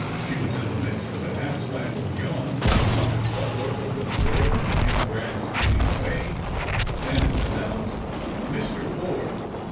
She was in the midst of a half stifled yawn when the pompous Sutler opened the door in his grand sweeping way, and an nounced, "Mr. Forde."